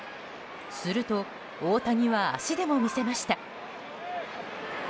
すると、大谷は足でも見せました。